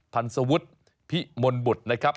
ทันสวุฒิพิมลบุตรนะครับ